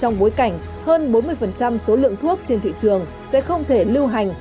rằng hơn bốn mươi số lượng thuốc trên thị trường sẽ không thể lưu hành